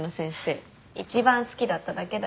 一番好きだっただけだよ。